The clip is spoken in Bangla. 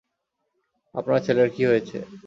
আপনার ছেলের কি হয়েছে?